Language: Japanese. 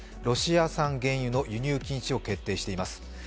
ロシア産原油の輸入禁止を決定しています。